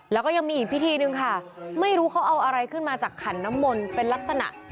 แล้วก็ยังมีอีกพิธีหนึ่งค่ะไม่รู้เขาเอาอะไรขึ้นมาจากขันน้ำมนต์เป็นลักษณะ